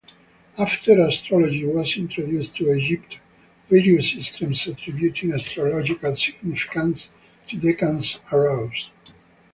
After astrology was introduced to Egypt, various systems attributing astrological significance to decans arose.